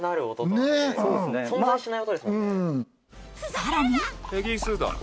さらに。